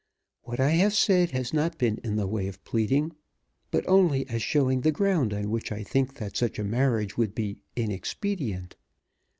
What I have said has not been in the way of pleading, but only as showing the ground on which I think that such a marriage would be inexpedient.